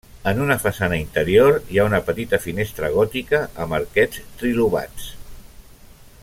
En una façana interior hi ha una petita finestra gòtica amb arquets trilobats.